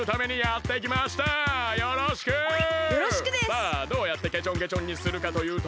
さあどうやってけちょんけちょんにするかというと。